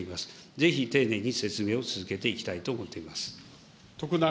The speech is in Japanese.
ぜひ丁寧に説明を続けていきたいと思っています。